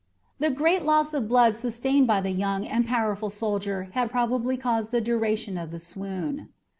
The great loss of blood sustained by the young and powerful soldier had probably caused the duration of the swoon.